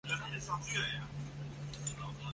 这次选举于大萧条踏入第四年时进行。